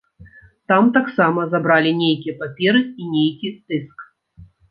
Там таксама забралі нейкія паперы і нейкі дыск.